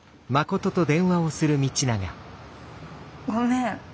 ごめん。